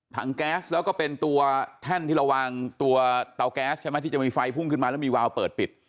แก๊สแล้วก็เป็นตัวแท่นที่เราวางตัวเตาแก๊สใช่ไหมที่จะมีไฟพุ่งขึ้นมาแล้วมีวาวเปิดปิด